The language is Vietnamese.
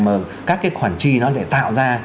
mà các cái khoản chi nó lại tạo ra